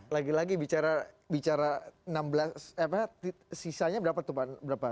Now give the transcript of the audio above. lagi lagi bicara enam belas sisanya berapa tuh pak